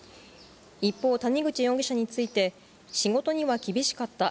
一方、谷口容疑者について、仕事には厳しかった。